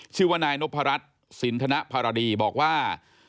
ชื่อว่านายนพรัชสินธนภารดีบอกว่า